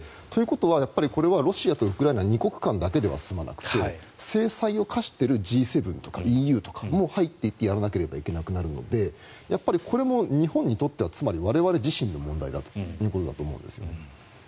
ということはこれはロシアとウクライナの２国間だけでは済まなくて制裁を科しているＧ７とかＥＵとかも入っていってやらなければいけなくなるのでこれも日本にとってはつまり我々自身の問題だと思うんですよね。